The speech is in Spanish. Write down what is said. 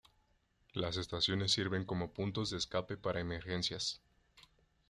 Las estaciones sirven como puntos de escape para emergencias.